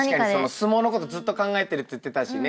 相撲のことずっと考えてるって言ってたしね。